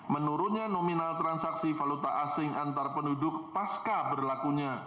menurunnya nominal transaksi valuta asing antar penduduk pasca berlakunya